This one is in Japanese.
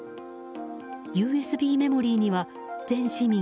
ＵＳＢメモリーには全市民